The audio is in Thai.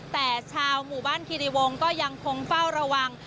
แต่ชาวหมู่บ้านคิริวงศ์ก็ยังคงเฝ้าระวัง